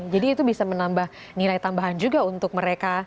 jadi itu bisa menambah nilai tambahan juga untuk mereka